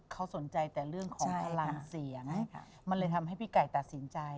เขาสนใจแต่เรื่องของพลังเสียงมันเลยทำให้พี่ไก่ตัดสินใจ